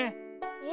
え？